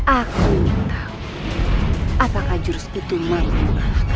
aku ingin tahu apakah jurus itu merupakan